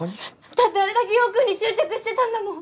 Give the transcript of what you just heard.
だってあれだけ陽君に執着してたんだもん。